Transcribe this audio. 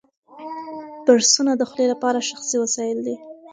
برسونه د خولې لپاره شخصي وسایل دي.